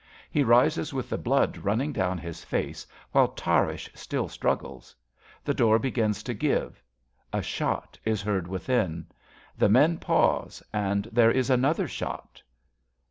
He rises with the blood running down his face, while Tarrasch still struggles. The door begins to give. A shot is heard within. The men pause and there is another shot.)